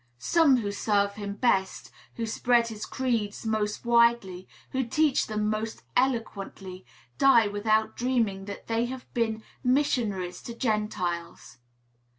Some who serve him best, who spread his creeds most widely, who teach them most eloquently, die without dreaming that they have been missionaries to Gentiles.